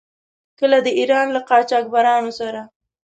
کله د ایران له قاجاریانو سره.